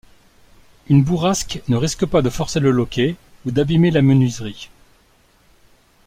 Une bourrasque ne risque pas de forcer le loquet ou d'abîmer la menuiserie.